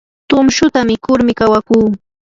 tumshuta mikurmi kawakuu.